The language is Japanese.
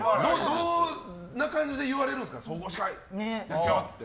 どんな感じで言われるんですか総合司会ですよって。